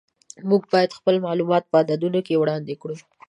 موږ باید خپل معلومات په عددونو کې وړاندې کړو.